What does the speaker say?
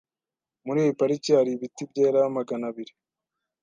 Muri iyi pariki hari ibiti byera magana abiri.